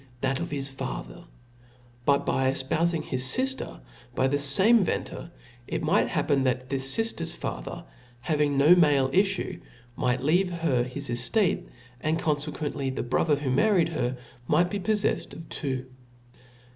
, that of his father : but by efpoufing his fifter by the fame venter, it might happen that this fifter's father, having no male ifiufe, might kave her his eftate, and confequently the brother, who married her, might be poffeflTed of two.